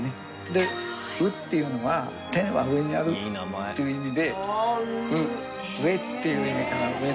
で「う」っていうのは天は上にあるっていう意味で「上」っていう意味から上の。